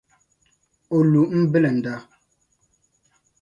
o lu m-bilinda.